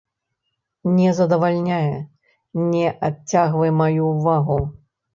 Не задавальняе, не адцягвай маю ўвагу.